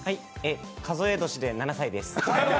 数え年で７歳です。